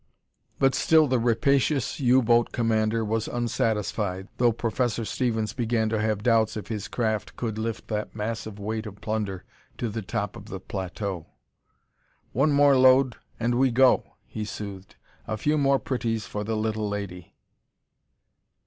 But still the rapacious U boat commander was unsatisfied, though Professor Stevens began to have doubts if his craft could lift that massive weight of plunder to the top of the plateau. "One more load and we go," he soothed. "A few more pretties for the little lady!"